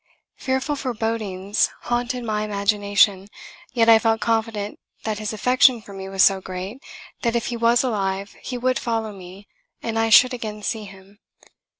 Fearful forebodings haunted my imagination; yet I felt confident that his affection for me was so great that if he was alive he would follow me and I should again see him.